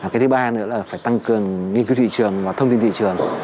cái thứ ba nữa là phải tăng cường nghiên cứu thị trường và thông tin thị trường